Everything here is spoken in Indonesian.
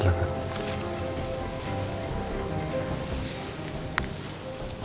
saya mau pergi